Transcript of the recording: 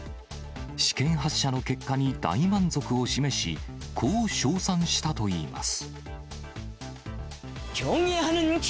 試験発射の結果に大満足を示し、こう称賛したといいます。